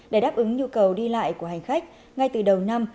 để đáp ứng nhu cầu đi lại của hành khách ngay từ đầu năm